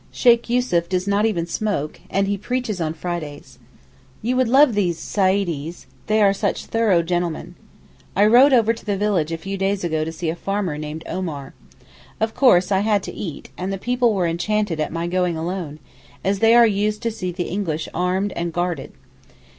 Sheykh Yussuf does not even smoke, and he preaches on Fridays. You would love these Saeedees, they are such thorough gentlemen. I rode over to the village a few days ago to see a farmer named Omar. Of course I had to eat, and the people were enchanted at my going alone, as they are used to see the English armed and guarded.